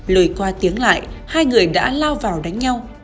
lời qua tiếng lại hai người đã lao vào đánh nhau